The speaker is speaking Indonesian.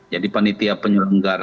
jadi penitia penyelenggara